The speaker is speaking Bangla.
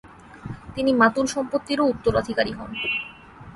তিনি মাতুল সম্পত্তিরও উত্তরাধিকারী হন।